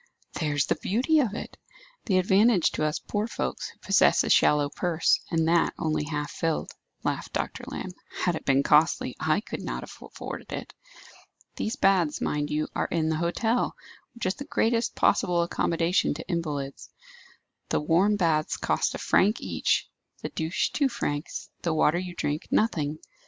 "There's the beauty of it! the advantage to us poor folks, who possess a shallow purse, and that only half filled," laughed Dr. Lamb. "Had it been costly, I could not have afforded it. These baths, mind you, are in the hotel, which is the greatest possible accommodation to invalids; the warm baths cost a franc each, the douche two francs, the water you drink, nothing.